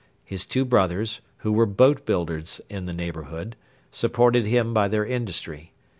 His two brothers, who were boat builders in the neighbourhood, supported him by their industry.